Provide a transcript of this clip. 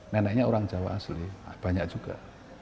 neneknya orang jawa asli banyak juga